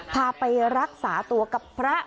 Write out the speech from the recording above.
พาไปรักษาตัวกับพระ